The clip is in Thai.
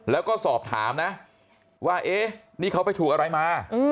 แล้วก็สอบถามนะว่าเอ๊ะนี่เขาไปถูกอะไรมา